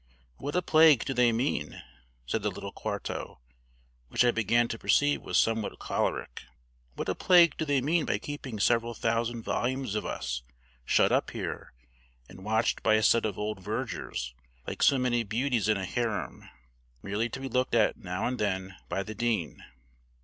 "What a plague do they mean?" said the little quarto, which I began to perceive was somewhat choleric "what a plague do they mean by keeping several thousand volumes of us shut up here, and watched by a set of old vergers, like so many beauties in a harem, merely to be looked at now and then by the dean?